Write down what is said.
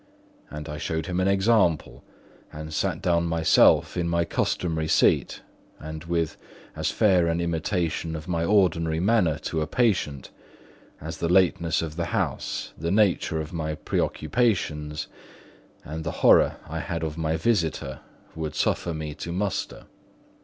And I showed him an example, and sat down myself in my customary seat and with as fair an imitation of my ordinary manner to a patient, as the lateness of the hour, the nature of my preoccupations, and the horror I had of my visitor, would suffer me to muster.